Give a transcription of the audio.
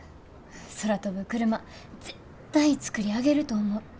空飛ぶクルマ絶対作り上げると思う。